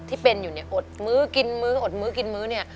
ที่เป็นอยู่เนี่ยอดมื้อกินมื้ออดมื้อกินมื้อเนี่ย